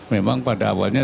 memang pada awalnya